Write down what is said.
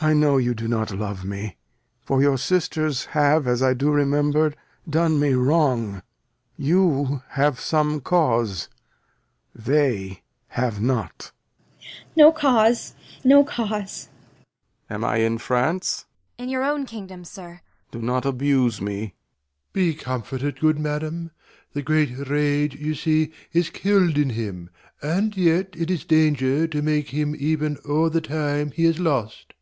I know you do not love me; for your sisters Have, as I do remember, done me wrong. You have some cause, they have not. Cor. No cause, no cause. Lear. Am I in France? Kent. In your own kingdom, sir. Lear. Do not abuse me. Doct. Be comforted, good madam. The great rage You see is kill'd in him; and yet it is danger To make him even o'er the time he has lost.